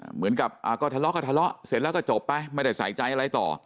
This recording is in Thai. เหมือนกับก็ทะเลาะก็ทะเลาะเสร็จแล้วก็จบไปไม่ได้ใส่ใจอะไรต่อ